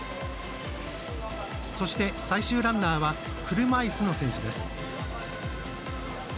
そして、最終ランナーは車いすの選手です。